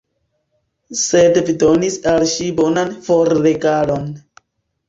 Sed vi donis al ŝi bonan forregalon!